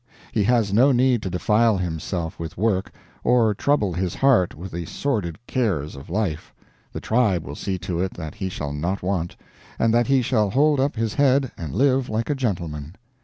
He has no need to defile himself with work, or trouble his heart with the sordid cares of life; the tribe will see to it that he shall not want, and that he shall hold up his head and live like a gentleman.